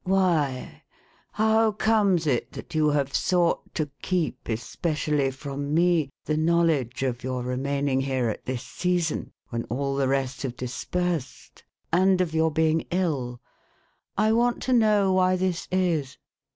" Why ? How comes it that you have sought to keep especially from me, the knowledge of your remaining here, at this season, when all the rest have dispersed, and of your being ill ? I want to know why this is